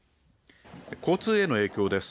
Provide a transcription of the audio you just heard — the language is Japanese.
交通への影響です。